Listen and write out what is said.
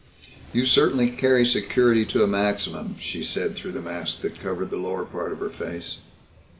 "You certainly carry security to a maximum," she said through the mask that covered the lower part of her face.